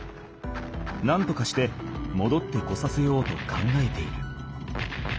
なんとかしてもどってこさせようと考えている。